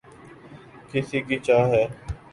کس کی چاہ ہے